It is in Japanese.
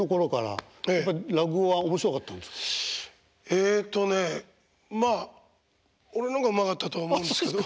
えっとねまあ俺の方がうまかったとは思うんですけど。